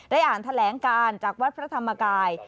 อ่านแถลงการจากวัดพระธรรมกาย